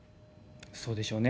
そうでしょうね。